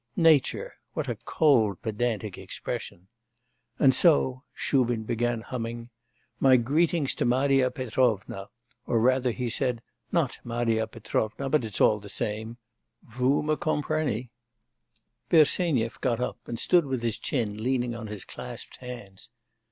Nature what a cold, pedantic expression. And so' (Shubin began humming), 'my greetings to Marya Petrovna! or rather,' he added, 'not Marya Petrovna, but it's all the same! Voo me compreny.' Bersenyev got up and stood with his chin leaning on his clasped hands.